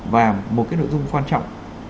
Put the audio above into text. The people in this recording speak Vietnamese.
và một nội dung quan trọng